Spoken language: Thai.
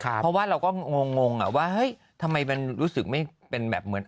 เพราะว่าเราก็งงว่าเฮ้ยทำไมมันรู้สึกไม่เป็นแบบเหมือน